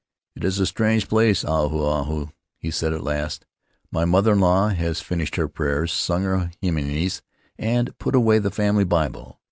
"It is a strange place, Ahu Ahu," he said at last. "My mother in law has finished her prayers, sung her himines, and put away the family Bible.